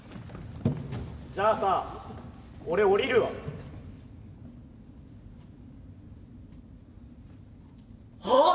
じゃあさ俺降りるわ。はあ？